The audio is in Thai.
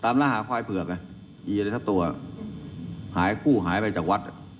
ตามร่าหาควายเผือกอีอะไรซักตัวหายกู้หายไปจากวัด